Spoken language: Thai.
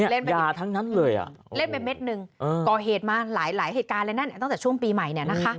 เละไปเม็ดนึงก่อเหตุมาหลายเกิดเลยนะคะตั้งแต่ช่วงปีใหม่